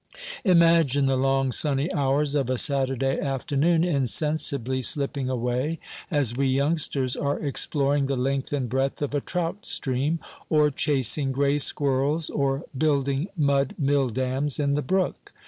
Imagine the long sunny hours of a Saturday afternoon insensibly slipping away, as we youngsters are exploring the length and breadth of a trout stream, or chasing gray squirrels, or building mud milldams in the brook.